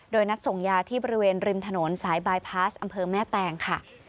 โดยนัดส่งยาที่บริเวณริมถนนสายบายพาสอำเภอแม่แตงค่ะ